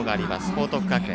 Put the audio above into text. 報徳学園。